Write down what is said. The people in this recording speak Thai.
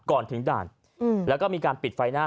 ก่อนถึงด่านแล้วก็มีการปิดไฟหน้า